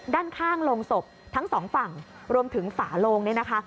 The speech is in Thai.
ด้านข้างโรงศพทั้งสองฝั่งรวมถึงฝาโลงเนี่ยนะคะ